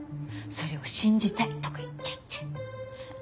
それを「信じたい」とか言っちゃって。